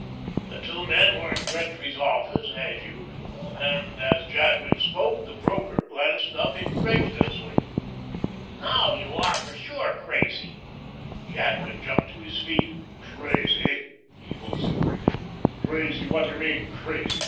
The two men were in Gretry's office as usual, and as Jadwin spoke, the broker glanced up incredulously. "Now you are for sure crazy." Jadwin jumped to his feet. "Crazy!" he vociferated. "Crazy! What do you mean? Crazy!